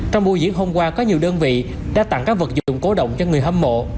trong buổi diễn hôm qua có nhiều đơn vị đã tặng các vật dụng cố động cho người hâm mộ